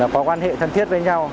có quan hệ thân thiết với nhau